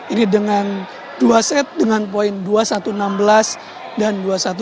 ini dengan dua set dengan poin dua satu ratus enam belas dan dua satu ratus sepuluh